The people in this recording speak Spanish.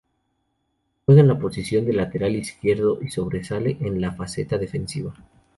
Juega en la posición de lateral izquierdo y sobresale en la faceta defensiva.